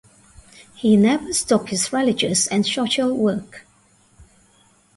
He never stopped his religious and social work.